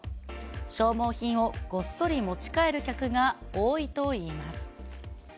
消耗品をごっそり持ち帰る客が多いといいます。